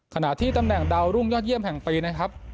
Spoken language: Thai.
ขณะที่ตำแหน่งดาวรุ่งยอดเยี่ยมแห่งปีนะครับ